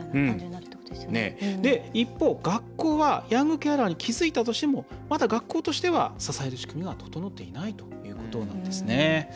一方、学校はヤングケアラーに気付いたとしてもまだ学校としては支える仕組みが整っていないということなんです。